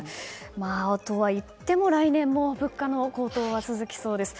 とはいっても来年も物価の高騰は続きそうです。